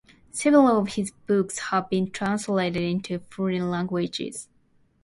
Several of his books have been translated into foreign languages.